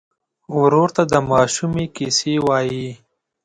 ورور ته د ماشومۍ کیسې وایې.